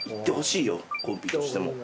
コンビとしても。